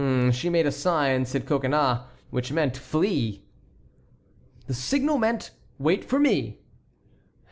'" "She made a sign," said Coconnas, "which meant 'flee!'" "The signal meant 'wait for me.'"